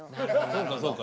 そうかそうか。